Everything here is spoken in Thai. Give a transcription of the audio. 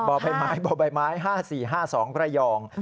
บอกค่ะบอกใบไม้๕๔๕๒ประยอง